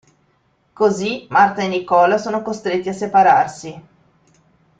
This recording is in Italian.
Così Marta e Nicola sono costretti a separarsi.